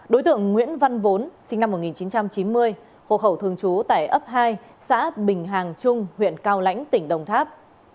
đối tượng nguyễn văn vốn sinh năm một nghìn chín trăm chín mươi hộ khẩu thường trú tại ấp hai xã bình hàng trung huyện cao lãnh tỉnh đồng tháp